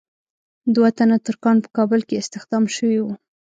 دوه تنه ترکان په کابل کې استخدام شوي وو.